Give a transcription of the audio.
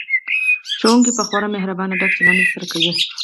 ښوونکي به خورا له مهربانۍ ډک چلند ورسره کوي